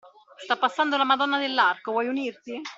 Sta passando la Madonna dell'Arco, vuoi unirti?